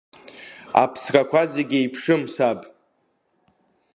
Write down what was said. Аԥсрақәа зегь еиԥшым, саб.